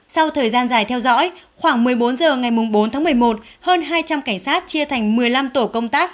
sau thời gian dài theo dõi khoảng một mươi bốn h ngày bốn tháng một mươi một hơn hai trăm linh cảnh sát chia thành một mươi năm tổ công tác